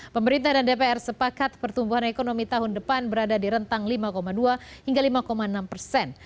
pemerintah dan dpr sepakat pertumbuhan ekonomi tahun depan berada di rentang lima dua hingga lima enam persen